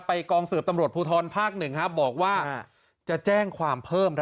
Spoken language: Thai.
ไปกลองดูตรศาสตร์ปุฏรภาคหนึ่งบอกว่าจะแจ้งความเพิ่ม